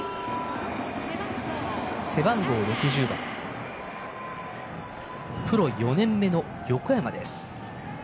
背番号６０番プロ４年目の横山です。